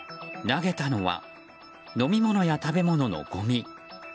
投げたのは飲み物や食べ物のごみ。